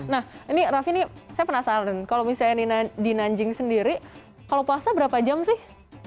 nah ini raffi ini saya penasaran kalau misalnya di nanjing sendiri kalau puasa berapa jam sih